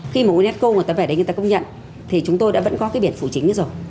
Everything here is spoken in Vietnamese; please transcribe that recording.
khi mà unesco người ta về đấy người ta công nhận thì chúng tôi đã vẫn có cái biển phủ chính rồi